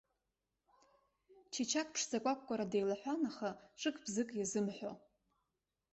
Чичақ ԥшӡакәакәара деилаҳәан аха ҿык-бзык иазымҳәо.